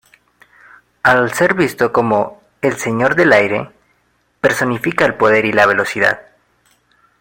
Al ser visto como "el señor del aire" personifica el poder y la velocidad.